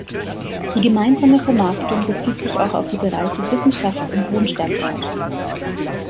Die gemeinsame Vermarktung bezieht sich auch auf die Bereiche Wissenschafts- und Wohnstandort.